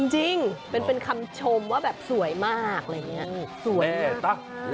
จริงเป็นคำชมว่าแบบสวยมากอะไรอย่างนี้สวย